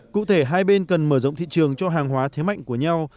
cụ thể hai bên cần mở rộng thị trường cho hàng hóa thế mạnh của nhau